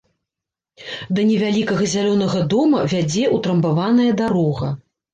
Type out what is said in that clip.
Да невялікага зялёнага дома вядзе ўтрамбаваная дарога.